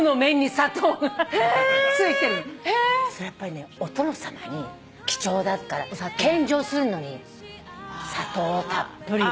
やっぱりねお殿様に貴重だから献上するのに砂糖をたっぷりよ。